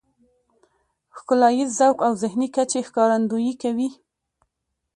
ښکلاييز ذوق او ذهني کچې ښکارندويي کوي .